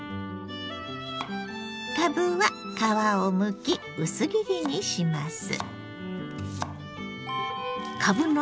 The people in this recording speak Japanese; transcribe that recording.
かぶは皮をむき薄切りにします。